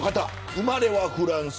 生まれはフランス。